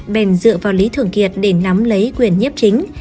bền dựa vào lý thường kiệt để nắm lấy quyền nhiếp chính